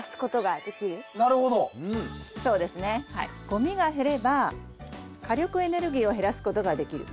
ごみが減れば火力エネルギーを減らすことができる。